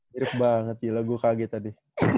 mirip banget di lagu kaget tadi